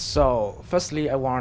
đầu tiên tôi muốn